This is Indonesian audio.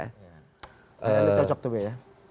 dia cocok tuh ya